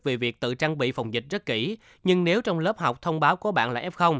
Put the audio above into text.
về việc tự trang bị phòng dịch rất kỹ nhưng nếu trong lớp học thông báo của bạn là f